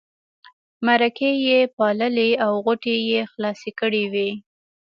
مرکې یې پاللې او غوټې یې خلاصې کړې وې.